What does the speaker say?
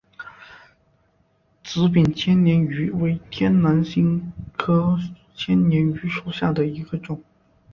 紫柄千年芋为天南星科千年芋属下的一个种。